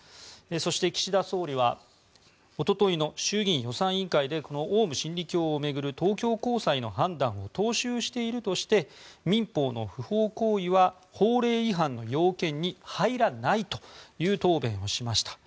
そして、岸田総理はおとといの衆議院予算委員会でこのオウム真理教を巡る東京高裁の判断を踏襲しているとして民法の不法行為は法令違反の要件に入らないという答弁をしました。